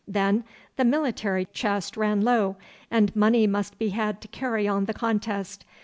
Then the military chest ran low, and money must be had to carry on the contest.